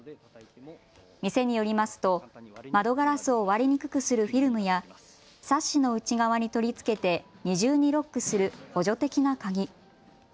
店によりますと窓ガラスを割れにくくするフィルムやサッシの内側に取り付けて二重にロックする補助的な鍵。